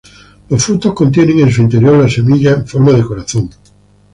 Los frutos contienen en su interior la semilla en forma de corazón.